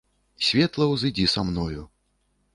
Светла ўзыдзі са мною.